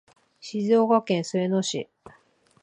静岡県裾野市